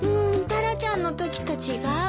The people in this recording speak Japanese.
タラちゃんのときと違う。